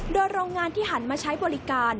โดยโรงงานที่หันมาใช้บริการ